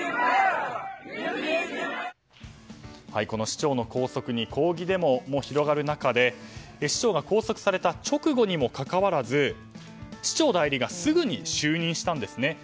この市長の拘束に抗議デモも広がる中で市長が拘束された直後にもかかわらず市長代理がすぐに就任したんですね。